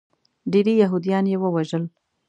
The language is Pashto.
ډیری یهودیان یې ووژل.